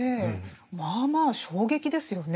まあまあ衝撃ですよね。